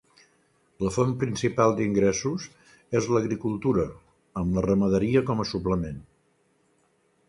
La font principal d'ingressos és l'agricultura, amb la ramaderia com a suplement.